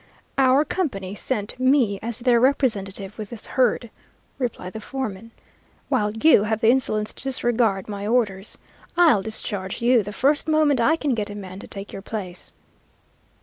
"'Our company sent me as their representative with this herd,' replied the foreman, 'while you have the insolence to disregard my orders. I'll discharge you the first moment I can get a man to take your place.'